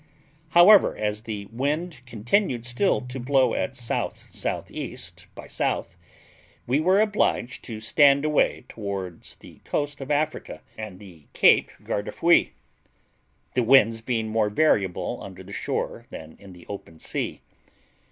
However, as the wind continued still to blow at S.S.E. by S., we were obliged to stand away towards the coast of Africa and the Cape Guardafui, the winds being more variable under the shore than in the open sea.